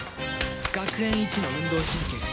学園一の運動神経